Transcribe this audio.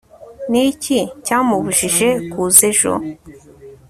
ni iki cyamubujije kuza ejo